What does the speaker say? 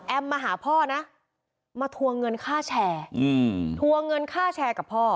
มาหาพ่อนะมาทวงเงินค่าแชร์ทัวร์เงินค่าแชร์กับพ่อ